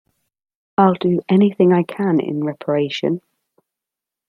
I'll do anything I can in reparation.'